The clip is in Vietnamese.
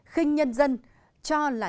kinh nhân dân cho là nhân dân